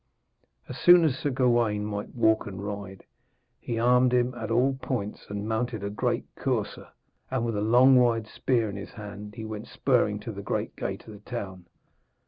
As soon as Sir Gawaine might walk and ride, he armed him at all points and mounted a great courser, and with a long wide spear in his hand he went spurring to the great gate of the town.